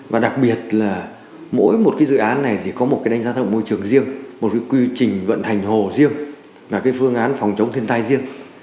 và đặc biệt là mỗi một cái dự án này thì có một cái đánh giá tác động môi trường riêng một cái quy trình vận hành hồ riêng và cái phương án phòng chống thiên tai riêng